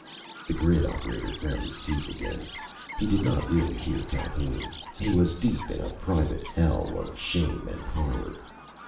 The grid operator ground his teeth again. He did not really hear Calhoun. He was deep in a private hell of shame and horror.